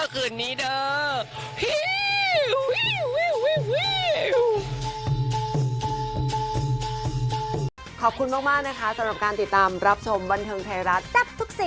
คืนนี้เด้อ